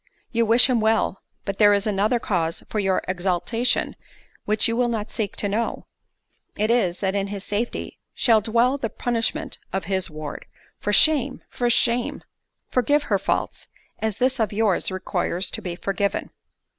You wish him well; but there is another cause for your exultation which you will not seek to know—it is, that in his safety, shall dwell the punishment of his ward. For shame! for shame! forgive her faults, as this of yours requires to be forgiven."